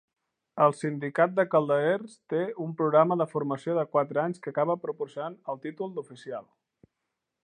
El sindicat de calderers té un programa de formació de quatre anys que acaba proporcionant el títol d'oficial.